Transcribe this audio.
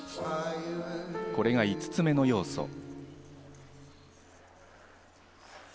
これが５つ目の要素。